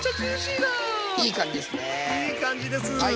いい感じです。